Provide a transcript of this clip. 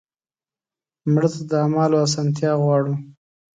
مړه ته د اعمالو اسانتیا غواړو